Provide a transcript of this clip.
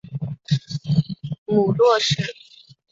母骆氏。